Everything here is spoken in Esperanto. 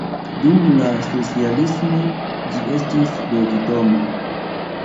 Dum la socialismo ĝi estis loĝdomo.